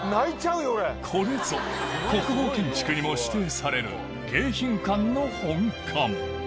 これぞ国宝建築にも指定される迎賓館の本館